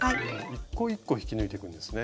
一個一個引き抜いていくんですね。